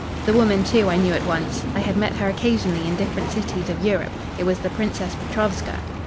The woman, too, I knew at once. I had met her occasionally in different cities of Europe. It was the Princess Petrovska.